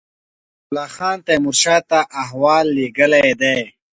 فیض الله خان تېمور شاه ته احوال لېږلی دی.